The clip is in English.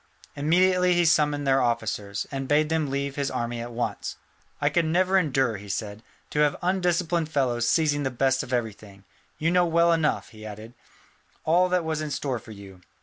Immediately he summoned their officers, and bade them leave his army at once. "I could never endure," he said, "to have undisciplined fellows seizing the best of everything. You know well enough," he added, "all that was in store for you.